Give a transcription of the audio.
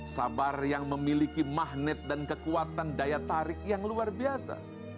sabar yang memiliki magnet dan kekuatan daya tarik yang luar biasa